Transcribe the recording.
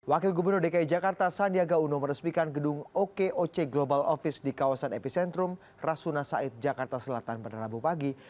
wakil gubernur dki jakarta sandiaga uno meresmikan gedung okoc global office di kawasan epicentrum rasuna said jakarta selatan pada rabu pagi